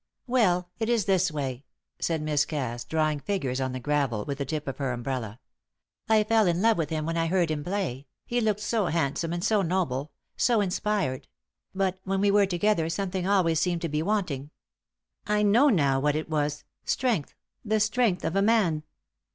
"Well, it is this way," said Miss Cass, drawing figures on the gravel with the tip of her umbrella. "I fell in love with him when I heard him play, he looked so handsome and so noble so inspired; but when we were together something always seemed to be wanting. I know now what it was strength, the strength of a man.